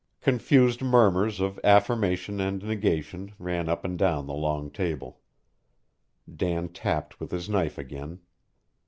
Confused murmurs of affirmation and negation ran up and down the long table. Dan tapped with his knife again.